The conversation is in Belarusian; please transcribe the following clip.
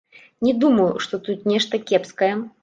Не думаю, што тут нешта кепскае.